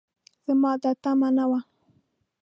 زما دا تمعه نه وه